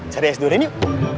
cari es durian yuk